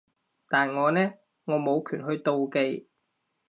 但我呢？我冇權去妒忌